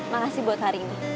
makasih buat hari ini